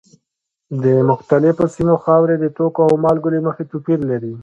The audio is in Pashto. د مختلفو سیمو خاورې د توکو او مالګو له مخې توپیر لري.